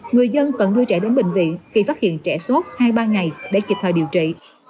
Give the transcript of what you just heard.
người dân cần đưa trẻ đến bệnh viện khi phát hiện trẻ sốt hai ba ngày để kịp thời điều trị